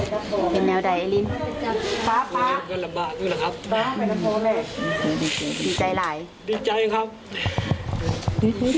อ๋อเอามาเออเอามาเข้าตั้งแล้วขึ้นตั้งหลายหลายหลายจับจับจับ